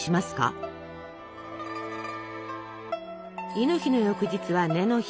亥の日の翌日は子の日。